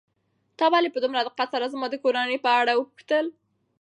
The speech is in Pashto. تا ولې په دومره دقت سره زما د کورنۍ په اړه وپوښتل؟